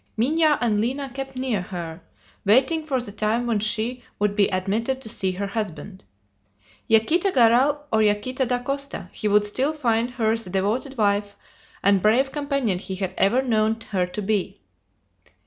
Minha and Lina kept near her, waiting for the time when she would be admitted to see her husband. Yaquita Garral or Yaquita Dacosta, he would still find her the devoted wife and brave companion he had ever known her to be.